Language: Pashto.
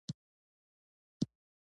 سرنزېب خان پۀ اردو او پښتو دواړو ژبو کښې